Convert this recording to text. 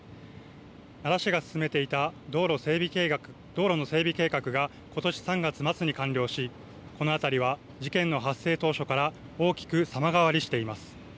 奈良市が進めていた道路の整備計画がことし３月末に完了しこの辺りは事件の発生当初から大きく様変わりしています。